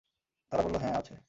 তারা বলল, হ্যাঁ, আছে।